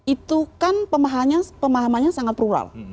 itu kan pemahamannya sangat plural